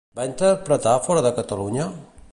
Va interpretar fora de Catalunya?